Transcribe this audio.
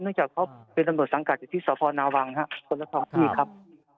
นึกจากเขาเป็นตำรวจสังกัดอยู่ที่สาพนาหวังใช่มั้ยครับ